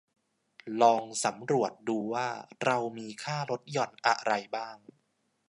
ลองสำรวจดูว่าเรามีค่าลดหย่อนอะไรบ้าง